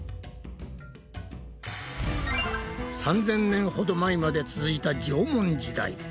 ３，０００年ほど前まで続いた縄文時代。